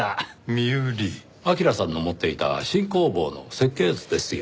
明良さんの持っていた新工房の設計図ですよ。